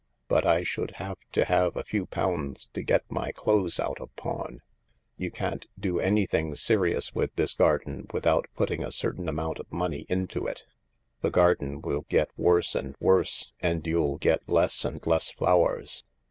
But I should have to have a few pounds to get my clothes out of pawn. ■ You can't do anything serious with this garden without putting a certain amount of money into it. The garden will get worse and worse and you'll get less and less flowers.